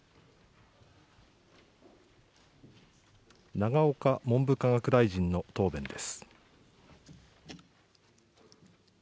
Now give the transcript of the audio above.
永岡文部科学大臣の答弁です。